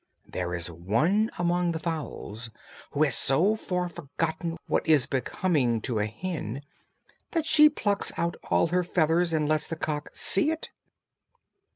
There is one among the fowls who has so far forgotten what is becoming to a hen that she plucks out all her feathers and lets the cock see it."